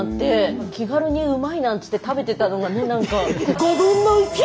気軽にうまいなんつって食べてたのがねなんか。